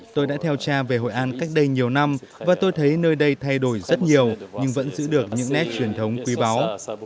tôi đã theo cha về hội an cách đây nhiều năm và tôi thấy nơi đây thay đổi rất nhiều nhưng vẫn giữ được những nét truyền thống quý báu